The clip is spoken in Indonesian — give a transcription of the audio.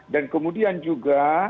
dan kemudian juga